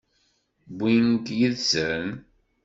Wwin-k yid-sen?